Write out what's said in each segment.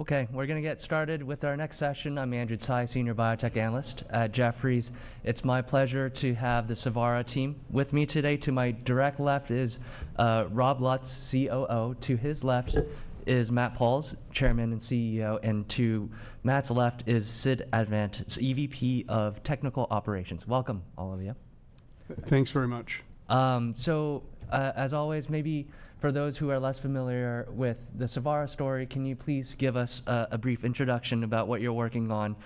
Okay, we're going to get started with our next session. I'm Andrew Tsai, Senior Biotech Analyst at Jefferies. It's my pleasure to have the Savara team with me today. To my direct left is Rob Lutz, COO. To his left is Matt Pauls, Chairman and CEO. And to Matt's left is Sid Advant, EVP of Technical Operations. Welcome, all of you. Thanks very much. As always, maybe for those who are less familiar with the Savara story, can you please give us a brief introduction about what you're working on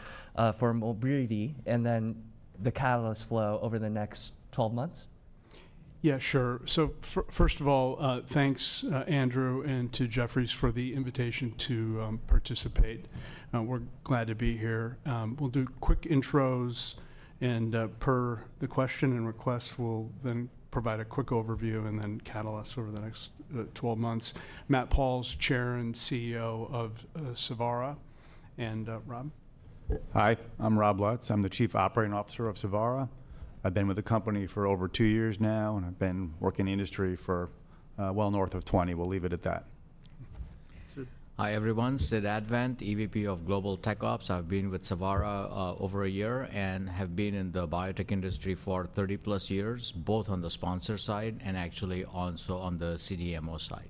for MOLBREEVI and then the catalyst flow over the next 12 months? Yeah, sure. First of all, thanks, Andrew, and to Jefferies for the invitation to participate. We're glad to be here. We'll do quick intros, and per the question and request, we'll then provide a quick overview and then catalysts over the next 12 months. Matt Pauls, Chair and CEO of Savara. And Rob? Hi, I'm Rob Lutz. I'm the Chief Operating Officer of Savara. I've been with the company for over two years now, and I've been working in the industry for well north of 20. We'll leave it at that. Hi, everyone. Sid Advant, EVP of Global Tech Ops. I've been with Savara over a year and have been in the biotech industry for 30-plus years, both on the sponsor side and actually also on the CDMO side.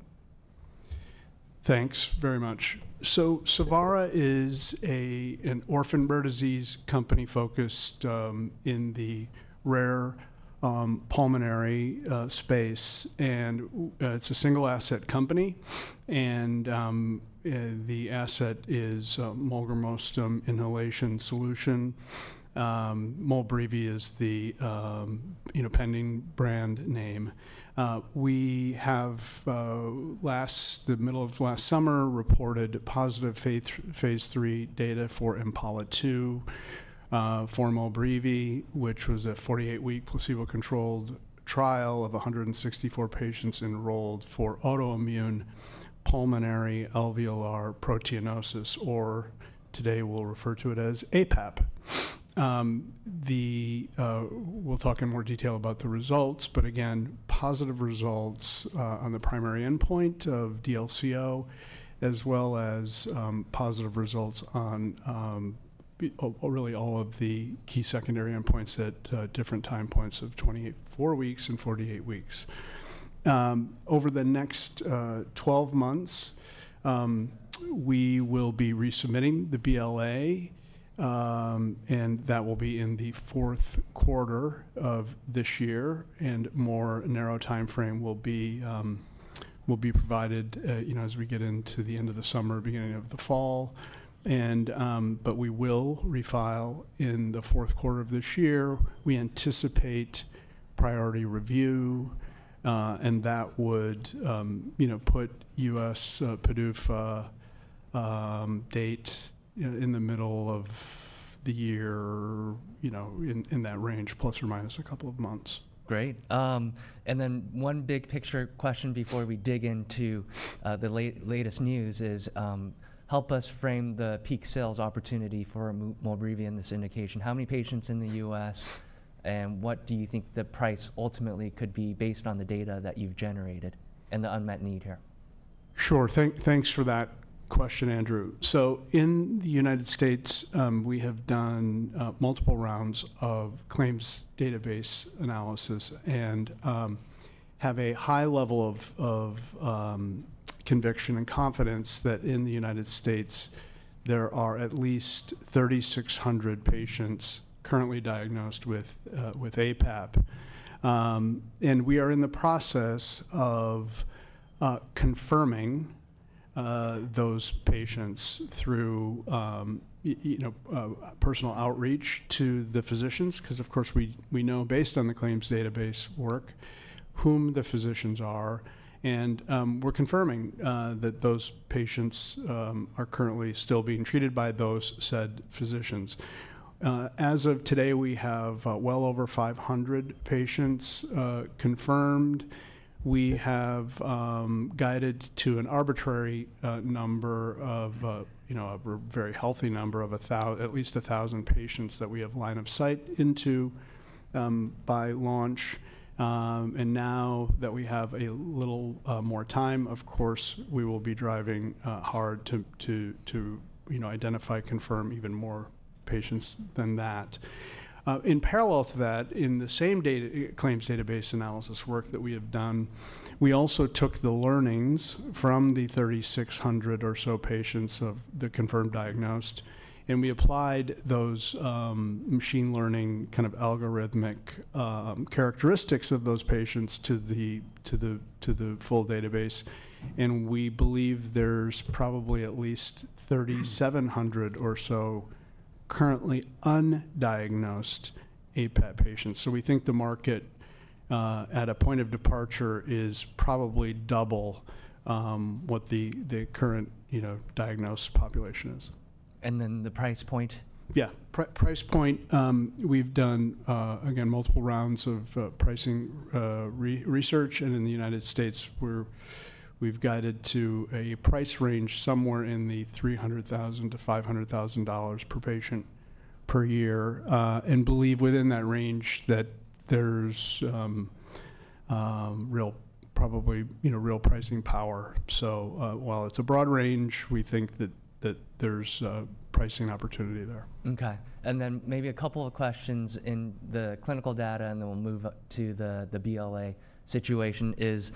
Thanks very much. Savara is an orphan rare disease company focused in the rare pulmonary space. It's a single asset company, and the asset is molgramostim inhalation solution. MOLBREEVI is the pending brand name. We have, last the middle of last summer, reported positive phase 3 data for IMPALA-2 for MOLBREEVI, which was a 48-week placebo-controlled trial of 164 patients enrolled for autoimmune pulmonary alveolar proteinosis, or today we'll refer to it as APAP. We'll talk in more detail about the results, but again, positive results on the primary endpoint of DLCO, as well as positive results on really all of the key secondary endpoints at different time points of 24 weeks and 48 weeks. Over the next 12 months, we will be resubmitting the BLA, and that will be in the fourth quarter of this year. A more narrow timeframe will be provided as we get into the end of the summer, beginning of the fall. We will refile in the fourth quarter of this year. We anticipate priority review, and that would put U.S. PDUFA date in the middle of the year, in that range, plus or minus a couple of months. Great. One big picture question before we dig into the latest news is, help us frame the peak sales opportunity for MOLBREEVI in this indication. How many patients in the U.S., and what do you think the price ultimately could be based on the data that you've generated and the unmet need here? Sure. Thanks for that question, Andrew. In the United States, we have done multiple rounds of claims database analysis and have a high level of conviction and confidence that in the United States, there are at least 3,600 patients currently diagnosed with APAP. We are in the process of confirming those patients through personal outreach to the physicians, because of course, we know based on the claims database work whom the physicians are. We are confirming that those patients are currently still being treated by those said physicians. As of today, we have well over 500 patients confirmed. We have guided to an arbitrary number of a very healthy number of at least 1,000 patients that we have line of sight into by launch. Now that we have a little more time, of course, we will be driving hard to identify, confirm even more patients than that. In parallel to that, in the same claims database analysis work that we have done, we also took the learnings from the 3,600 or so patients of the confirmed diagnosed, and we applied those machine learning kind of algorithmic characteristics of those patients to the full database. We believe there's probably at least 3,700 or so currently undiagnosed APAP patients. We think the market at a point of departure is probably double what the current diagnosed population is. The price point? Yeah, price point. We've done, again, multiple rounds of pricing research. In the United States, we've guided to a price range somewhere in the $300,000-$500,000 per patient per year. We believe within that range that there's probably real pricing power. While it's a broad range, we think that there's pricing opportunity there. Okay. Maybe a couple of questions in the clinical data, and then we'll move to the BLA situation. Is,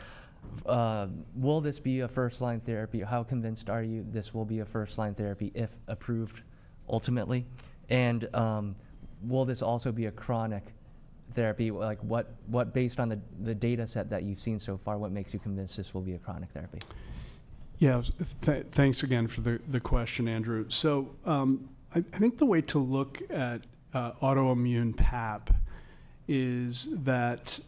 will this be a first-line therapy? How convinced are you this will be a first-line therapy if approved ultimately? Will this also be a chronic therapy? Based on the dataset that you've seen so far, what makes you convinced this will be a chronic therapy? Yeah, thanks again for the question, Andrew. I think the way to look at autoimmune PAP is that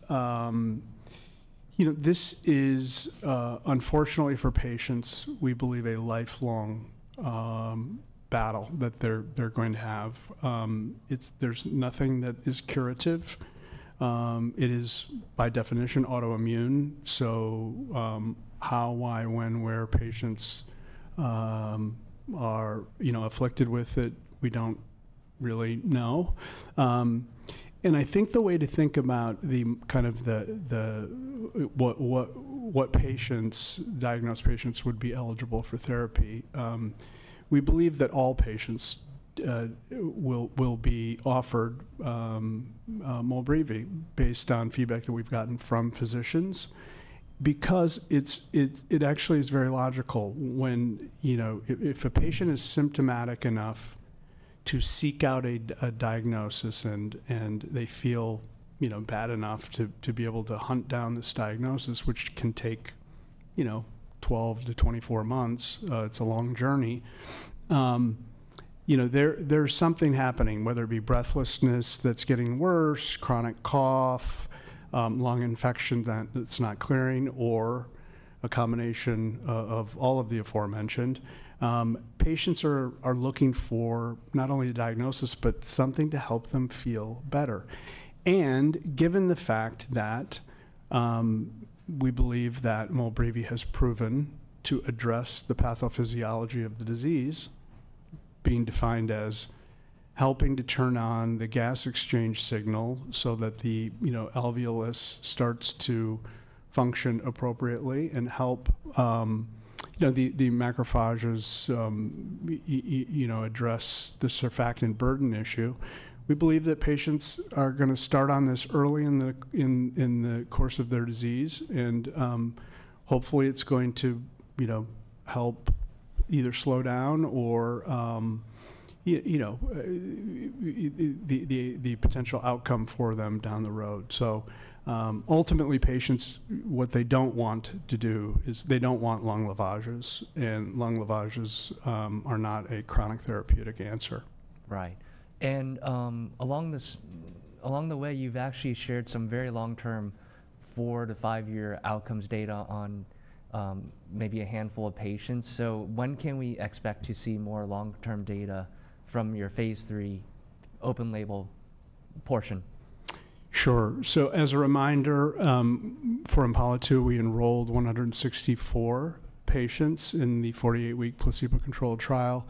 this is, unfortunately for patients, we believe a lifelong battle that they're going to have. There's nothing that is curative. It is, by definition, autoimmune. How, why, when, where patients are afflicted with it, we don't really know. I think the way to think about what patients, diagnosed patients, would be eligible for therapy, we believe that all patients will be offered MOLBREEVI based on feedback that we've gotten from physicians. It actually is very logical. If a patient is symptomatic enough to seek out a diagnosis and they feel bad enough to be able to hunt down this diagnosis, which can take 12 to 24 months, it's a long journey, there's something happening, whether it be breathlessness that's getting worse, chronic cough, lung infection that's not clearing, or a combination of all of the aforementioned. Patients are looking for not only a diagnosis, but something to help them feel better. Given the fact that we believe that MOLBREEVI has proven to address the pathophysiology of the disease, being defined as helping to turn on the gas exchange signal so that the alveolus starts to function appropriately and help the macrophages address the surfactant burden issue, we believe that patients are going to start on this early in the course of their disease. Hopefully, it's going to help either slow down or the potential outcome for them down the road. Ultimately, patients, what they don't want to do is they don't want lung lavages. Lung lavages are not a chronic therapeutic answer. Right. Along the way, you've actually shared some very long-term four- to five-year outcomes data on maybe a handful of patients. When can we expect to see more long-term data from your phase three open-label portion? Sure. As a reminder, for IMPALA-2, we enrolled 164 patients in the 48-week placebo-controlled trial.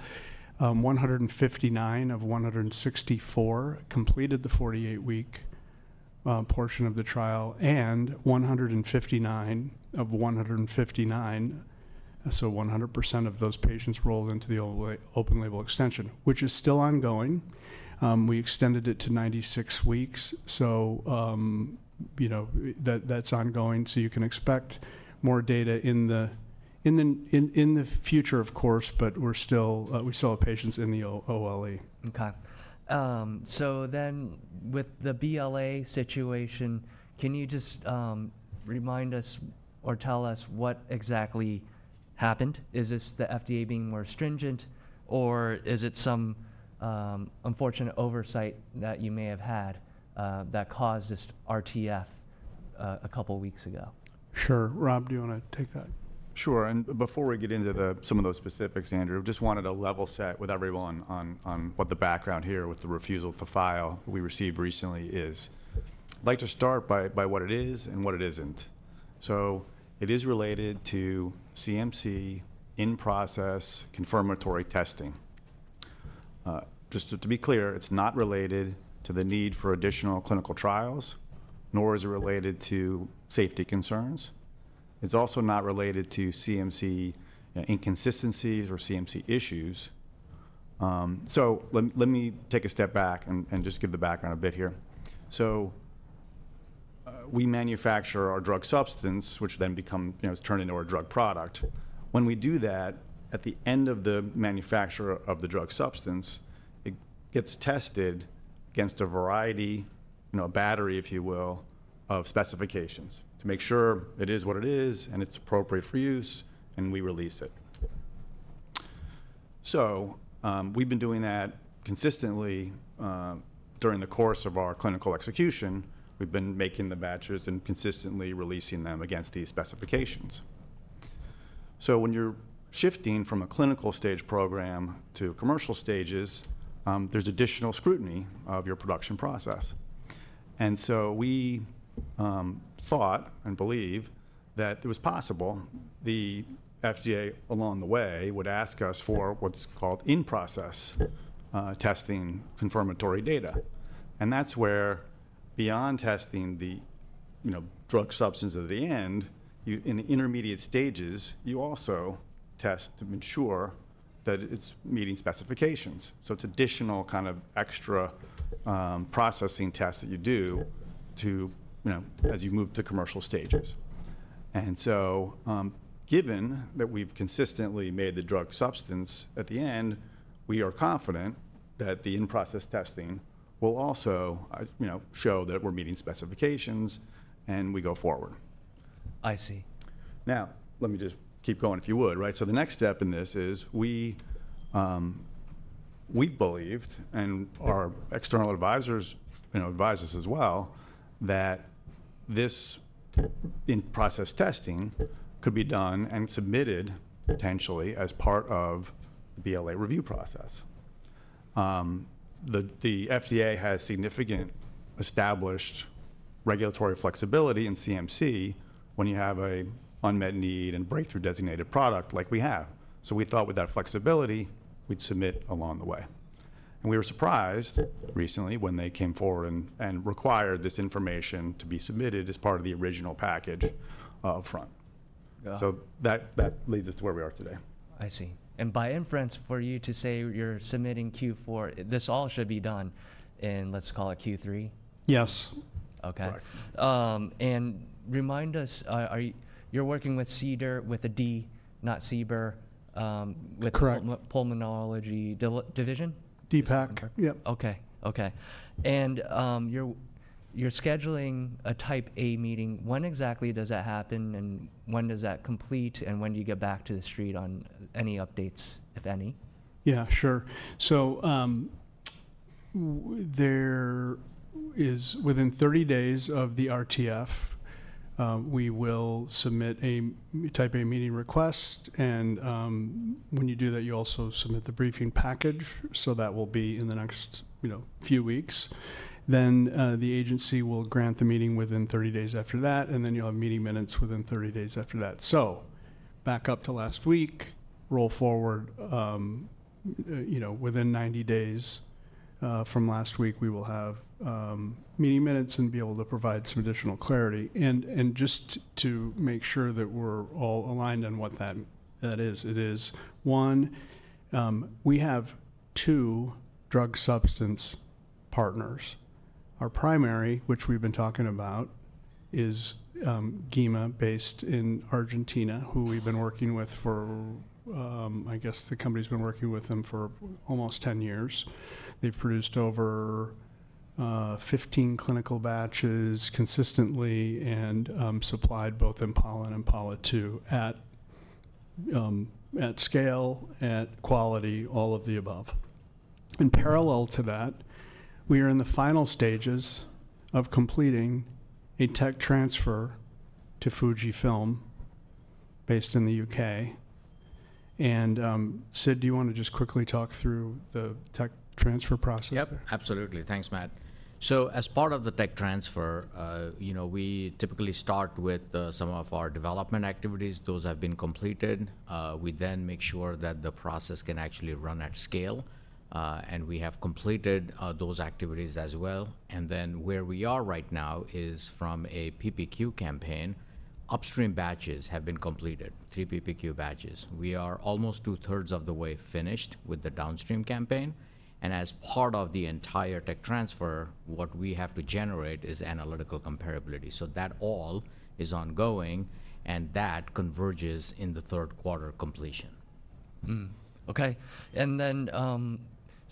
159 of 164 completed the 48-week portion of the trial. 159 of 159, so 100% of those patients rolled into the open-label extension, which is still ongoing. We extended it to 96 weeks. That is ongoing. You can expect more data in the future, of course, but we still have patients in the OLE. Okay. So, then with the BLA situation, can you just remind us or tell us what exactly happened? Is this the FDA being more stringent, or is it some unfortunate oversight that you may have had that caused this RTF a couple of weeks ago? Sure. Rob, do you want to take that? Sure. Before we get into some of those specifics, Andrew, I just wanted to level set with everyone on what the background here with the refusal to file we received recently is. I'd like to start by what it is and what it isn't. It is related to CMC in-process confirmatory testing. Just to be clear, it's not related to the need for additional clinical trials, nor is it related to safety concerns. It's also not related to CMC inconsistencies or CMC issues. Let me take a step back and just give the background a bit here. We manufacture our drug substance, which then becomes turned into our drug product. When we do that, at the end of the manufacture of the drug substance, it gets tested against a variety, a battery, if you will, of specifications to make sure it is what it is and it's appropriate for use, and we release it. We've been doing that consistently during the course of our clinical execution. We've been making the batches and consistently releasing them against these specifications. When you're shifting from a clinical stage program to commercial stages, there's additional scrutiny of your production process. We thought and believe that it was possible the FDA along the way would ask us for what's called in-process testing confirmatory data. That's where, beyond testing the drug substance at the end, in the intermediate stages, you also test to ensure that it's meeting specifications. It's additional kind of extra processing tests that you do as you move to commercial stages. Given that we've consistently made the drug substance at the end, we are confident that the in-process testing will also show that we're meeting specifications and we go forward. I see. Now, let me just keep going if you would. The next step in this is we believed, and our external advisors advised us as well, that this in-process testing could be done and submitted potentially as part of the BLA review process. The FDA has significant established regulatory flexibility in CMC when you have an unmet need and breakthrough designated product like we have. We thought with that flexibility, we'd submit along the way. We were surprised recently when they came forward and required this information to be submitted as part of the original package upfront. That leads us to where we are today. I see. And by inference, for you to say you're submitting Q4, this all should be done in, let's call it Q3? Yes. Okay. And remind us, you're working with CDER with a D, not CBER, with Pulmonology Division? DPAC, yep. Okay. Okay. You are scheduling a type A meeting. When exactly does that happen? When does that complete? When do you get back to the street on any updates, if any? Yeah, sure. Within 30 days of the RTF, we will submit a type A meeting request. When you do that, you also submit the briefing package. That will be in the next few weeks. The agency will grant the meeting within 30 days after that. You will have meeting minutes within 30 days after that. Back up to last week, roll forward within 90 days from last week, we will have meeting minutes and be able to provide some additional clarity. Just to make sure that we're all aligned on what that is, it is, one, we have two drug substance partners. Our primary, which we've been talking about, is GEMA based in Argentina, who we've been working with for, I guess, the company's been working with them for almost 10 years. They've produced over 15 clinical batches consistently and supplied both IMPALA and IMPALA-2 at scale, at quality, all of the above. In parallel to that, we are in the final stages of completing a tech transfer to FUJIFILM based in the U.K. Sid, do you want to just quickly talk through the tech transfer process? Yep, absolutely. Thanks, Matt. As part of the tech transfer, we typically start with some of our development activities. Those have been completed. We then make sure that the process can actually run at scale. We have completed those activities as well. Where we are right now is from a PPQ campaign, upstream batches have been completed, three PPQ batches. We are almost two-thirds of the way finished with the downstream campaign. As part of the entire tech transfer, what we have to generate is analytical comparability. That all is ongoing. That converges in the third quarter completion. Okay. And then,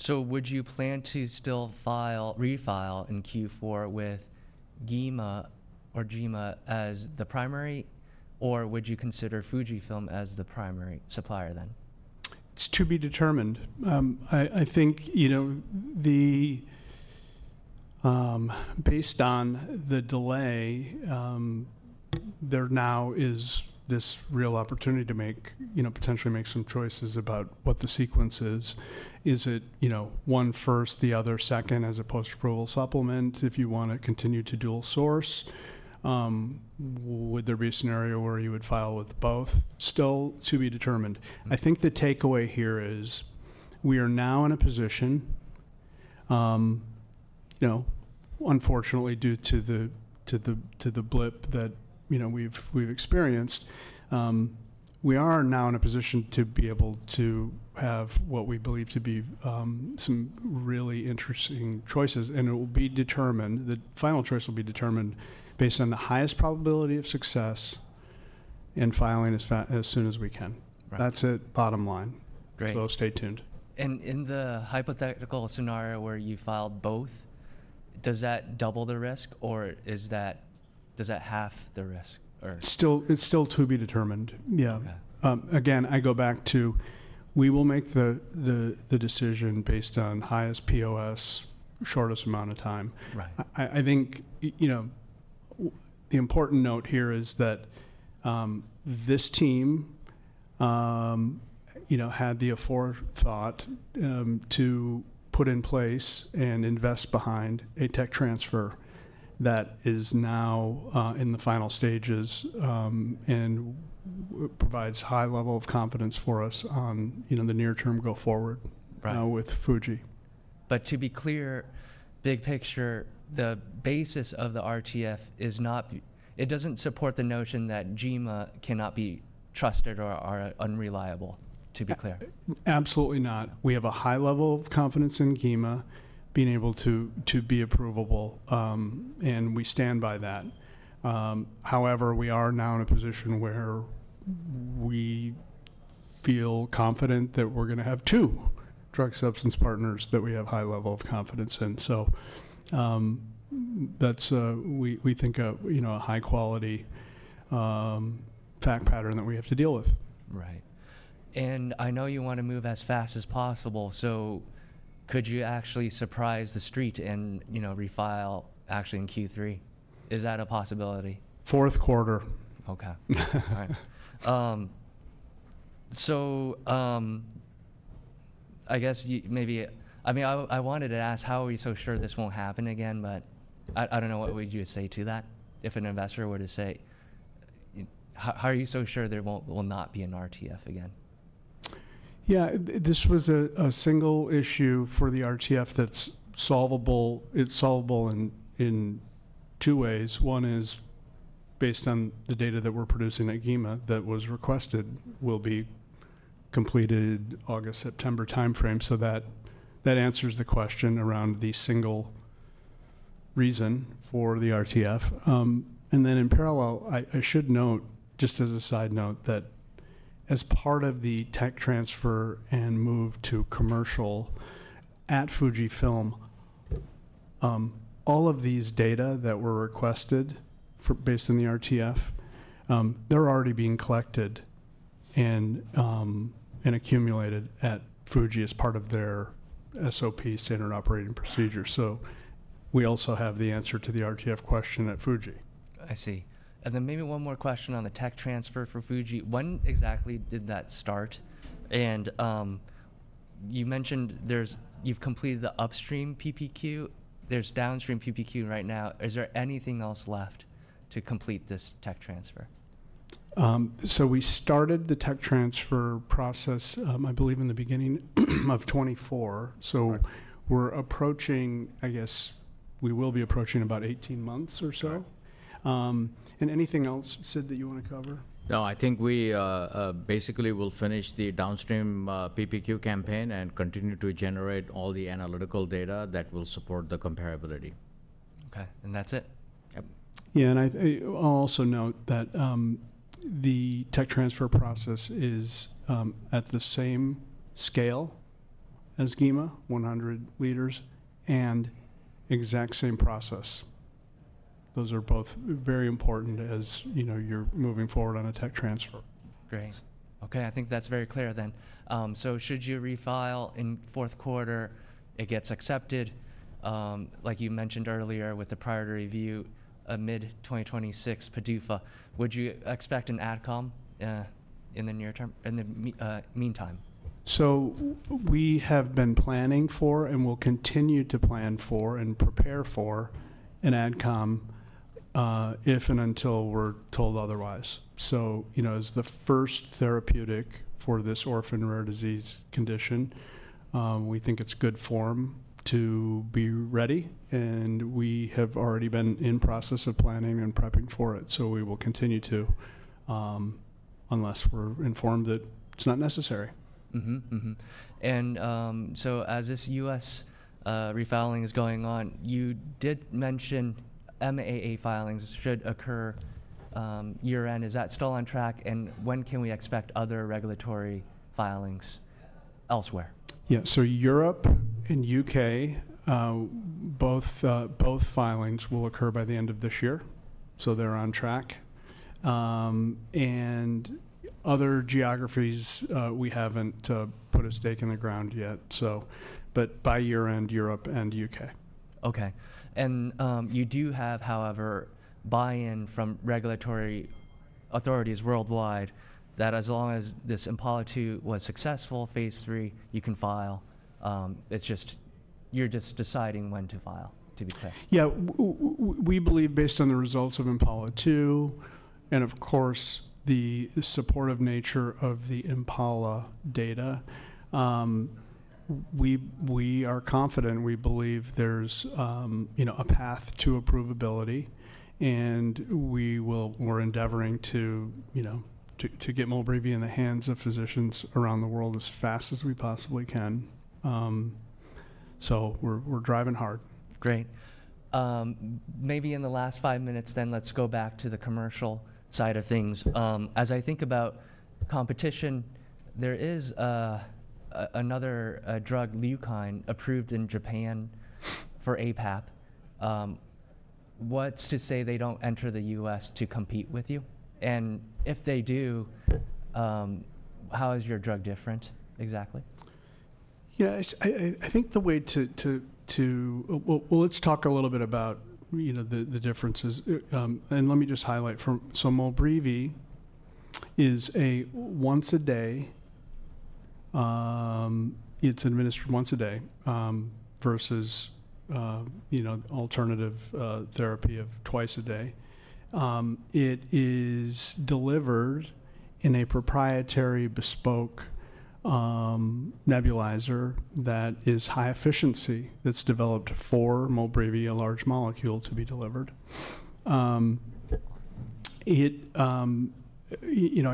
would you plan to still refile in Q4 with GEMA as the primary, or would you consider FUJIFILM as the primary supplier then? It's to be determined. I think based on the delay, there now is this real opportunity to potentially make some choices about what the sequence is. Is it one first, the other second as a post-approval supplement if you want to continue to dual source? Would there be a scenario where you would file with both? Still to be determined. I think the takeaway here is we are now in a position, unfortunately, due to the blip that we've experienced, we are now in a position to be able to have what we believe to be some really interesting choices. It will be determined, the final choice will be determined based on the highest probability of success in filing as soon as we can. That's it, bottom line. Stay tuned. In the hypothetical scenario where you filed both, does that double the risk, or does that half the risk? It's still to be determined. Yeah. Again, I go back to we will make the decision based on highest POS, shortest amount of time. I think the important note here is that this team had the forethought to put in place and invest behind a tech transfer that is now in the final stages and provides high level of confidence for us on the near-term go forward with FUJIFILM. To be clear, big picture, the basis of the RTF is not it does not support the notion that GEMA cannot be trusted or unreliable, to be clear. Absolutely not. We have a high level of confidence in GEMA being able to be approvable. We stand by that. However, we are now in a position where we feel confident that we're going to have two drug substance partners that we have high level of confidence in. We think a high-quality fact pattern that we have to deal with. Right. I know you want to move as fast as possible. Could you actually surprise the street and refile actually in Q3? Is that a possibility? Fourth quarter. Okay. All right. I guess maybe I mean, I wanted to ask, how are we so sure this won't happen again? I don't know what would you say to that if an investor were to say, how are you so sure there will not be an RTF again? Yeah, this was a single issue for the RTF that's solvable. It's solvable in two ways. One is based on the data that we're producing at GEMA that was requested, will be completed August-September timeframe. That answers the question around the single reason for the RTF. In parallel, I should note, just as a side note, that as part of the tech transfer and move to commercial at FUJIFILM, all of these data that were requested based on the RTF, they're already being collected and accumulated at FUJIFILM as part of their SOP, standard operating procedure. We also have the answer to the RTF question at FUJIFILM. I see. Maybe one more question on the tech transfer for FUJIFILM. When exactly did that start? You mentioned you've completed the upstream PPQ. There's downstream PPQ right now. Is there anything else left to complete this tech transfer? We started the tech transfer process, I believe, in the beginning of 2024. We will be approaching about 18 months or so. Anything else, Sid, that you want to cover? No, I think we basically will finish the downstream PPQ campaign and continue to generate all the analytical data that will support the comparability. Okay. That's it? Yeah. I'll also note that the tech transfer process is at the same scale as GEMA, 100 liters, and exact same process. Those are both very important as you're moving forward on a tech transfer. Great. Okay. I think that's very clear then. Should you refile in fourth quarter, it gets accepted, like you mentioned earlier with the priority review amid 2026 PDUFA. Would you expect an adcom in the near term, in the meantime? We have been planning for and will continue to plan for and prepare for an adcom if and until we're told otherwise. As the first therapeutic for this orphan rare disease condition, we think it's good form to be ready. We have already been in process of planning and prepping for it. We will continue to unless we're informed that it's not necessary. As this US refiling is going on, you did mention MAA filings should occur year-end. Is that still on track? When can we expect other regulatory filings elsewhere? Yeah. Europe and U.K., both filings will occur by the end of this year. They're on track. Other geographies, we haven't put a stake in the ground yet. By year-end, Europe and U.K. Okay. You do have, however, buy-in from regulatory authorities worldwide that as long as this IMPALA-2 was successful, phase three, you can file. It's just you're just deciding when to file, to be clear. Yeah. We believe based on the results of IMPALA-2 and, of course, the supportive nature of the IMPALA data, we are confident. We believe there's a path to approvability. We are endeavoring to get MOLBREEVI in the hands of physicians around the world as fast as we possibly can. We are driving hard. Great. Maybe in the last five minutes then, let's go back to the commercial side of things. As I think about competition, there is another drug, Leukine, approved in Japan for APAP. What's to say they don't enter the U.S. to compete with you? If they do, how is your drug different exactly? Yeah. I think the way to—let's talk a little bit about the differences. Let me just highlight from—so MOLBREEVI is a once-a-day, it's administered once a day versus alternative therapy of twice a day. It is delivered in a proprietary bespoke nebulizer that is high efficiency that's developed for MOLBREEVI, a large molecule to be delivered. I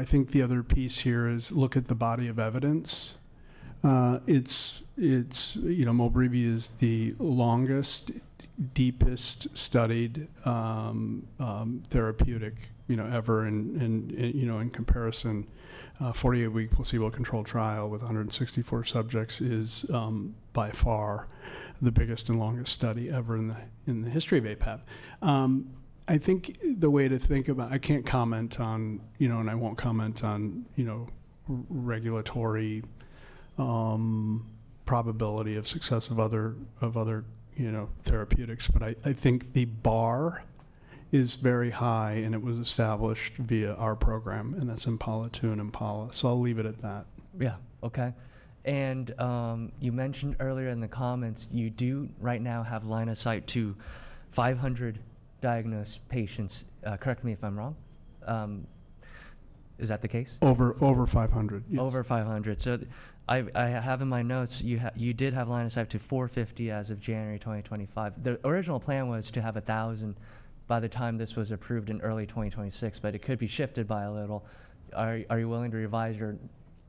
think the other piece here is look at the body of evidence. MOLBREEVI is the longest, deepest studied therapeutic ever in comparison. Forty-eight-week placebo-controlled trial with 164 subjects is by far the biggest and longest study ever in the history of APAP. I think the way to think about—I can't comment on—and I won't comment on regulatory probability of success of other therapeutics. I think the bar is very high. It was established via our program. That's IMPALA-2 and IMPALA. I'll leave it at that. Yeah. Okay. You mentioned earlier in the comments, you do right now have line of sight to 500 diagnosed patients. Correct me if I'm wrong. Is that the case? Over 500, yes. Over 500. I have in my notes you did have line of sight to 450 as of January 2025. The original plan was to have 1,000 by the time this was approved in early 2026. It could be shifted by a little. Are you willing to revise your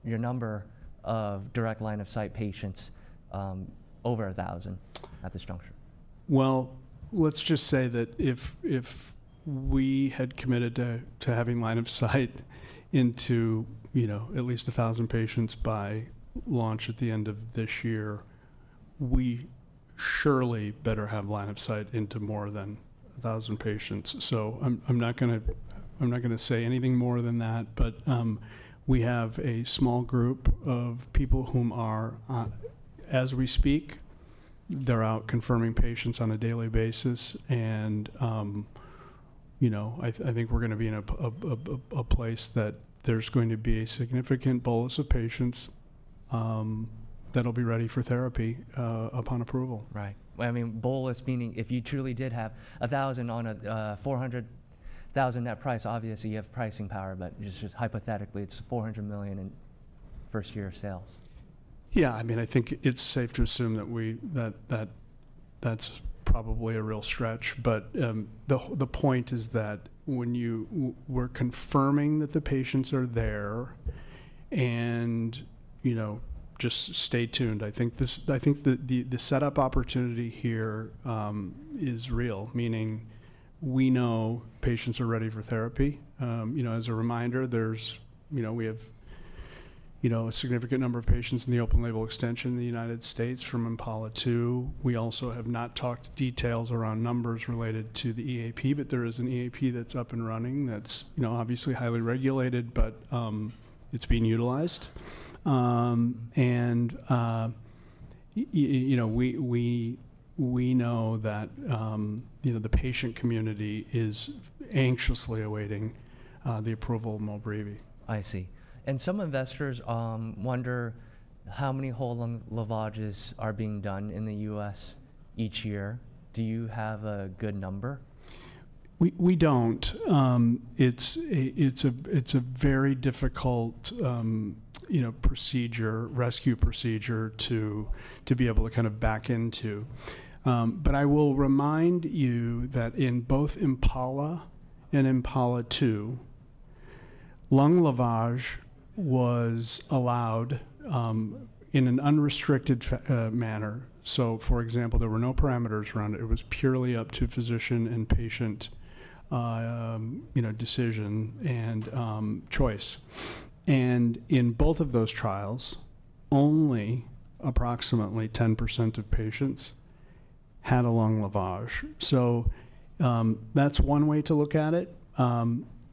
number of direct line of sight patients over 1,000 at this juncture? If we had committed to having line of sight into at least 1,000 patients by launch at the end of this year, we surely better have line of sight into more than 1,000 patients. I am not going to say anything more than that. We have a small group of people who are, as we speak, out confirming patients on a daily basis. I think we are going to be in a place that there is going to be a significant bolus of patients that will be ready for therapy upon approval. Right. I mean, bolus meaning if you truly did have 1,000 on a $400,000 net price, obviously you have pricing power. But just hypothetically, it's $400 million in first-year sales. Yeah. I mean, I think it's safe to assume that that's probably a real stretch. The point is that when you were confirming that the patients are there and just stay tuned, I think the setup opportunity here is real. Meaning we know patients are ready for therapy. As a reminder, we have a significant number of patients in the open-label extension in the United States from IMPALA-2. We also have not talked details around numbers related to the EAP. There is an EAP that's up and running that's obviously highly regulated. It's being utilized. We know that the patient community is anxiously awaiting the approval of MOLBREEVI. I see. Some investors wonder how many whole lung lavages are being done in the U.S. each year. Do you have a good number? We don't. It's a very difficult procedure, rescue procedure to be able to kind of back into. I will remind you that in both IMPALA and IMPALA-2, lung lavage was allowed in an unrestricted manner. For example, there were no parameters around it. It was purely up to physician and patient decision and choice. In both of those trials, only approximately 10% of patients had a lung lavage. That's one way to look at it.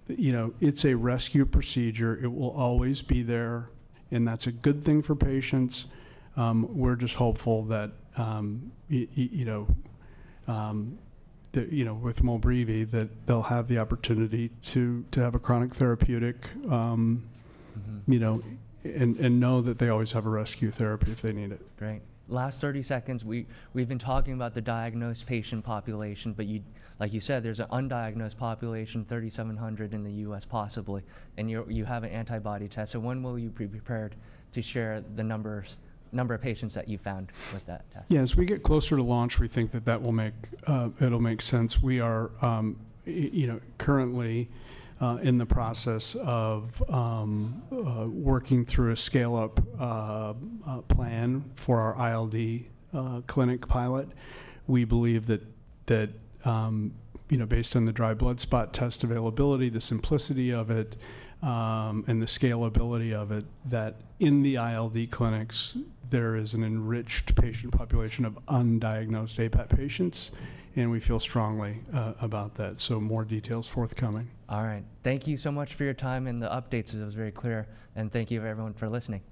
It's a rescue procedure. It will always be there. That's a good thing for patients. We're just hopeful that with MOLBREEVI, they'll have the opportunity to have a chronic therapeutic and know that they always have a rescue therapy if they need it. Great. Last 30 seconds. We've been talking about the diagnosed patient population. Like you said, there's an undiagnosed population, 3,700 in the U.S. possibly. You have an antibody test. When will you be prepared to share the number of patients that you found with that test? Yes. As we get closer to launch, we think that that will make sense. We are currently in the process of working through a scale-up plan for our ILD clinic pilot. We believe that based on the dry blood spot test availability, the simplicity of it, and the scalability of it, that in the ILD clinics, there is an enriched patient population of undiagnosed APAP patients. We feel strongly about that. More details forthcoming. All right. Thank you so much for your time and the updates. It was very clear. Thank you everyone for listening. Thank you.